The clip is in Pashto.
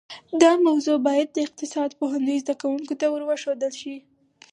دا موضوع باید د اقتصاد پوهنځي زده کونکو ته ورښودل شي